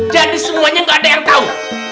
jadi semuanya gak ada yang tau